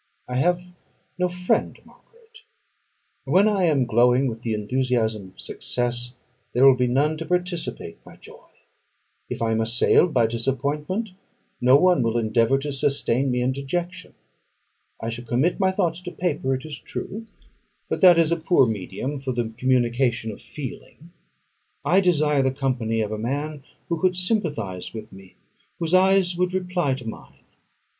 I have no friend, Margaret: when I am glowing with the enthusiasm of success, there will be none to participate my joy; if I am assailed by disappointment, no one will endeavour to sustain me in dejection. I shall commit my thoughts to paper, it is true; but that is a poor medium for the communication of feeling. I desire the company of a man who could sympathise with me; whose eyes would reply to mine.